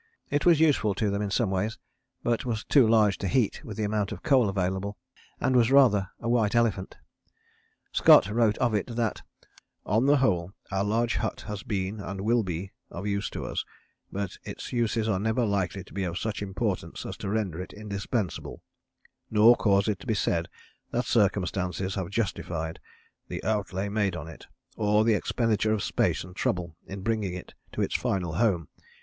It was useful to them in some ways, but was too large to heat with the amount of coal available, and was rather a white elephant. Scott wrote of it that "on the whole our large hut has been and will be of use to us, but its uses are never likely to be of such importance as to render it indispensable, nor cause it to be said that circumstances have justified the outlay made on it, or the expenditure of space and trouble in bringing it to its final home.